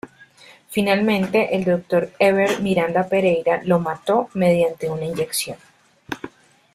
Finalmente el doctor Hebert Miranda Pereira lo mató mediante una inyección.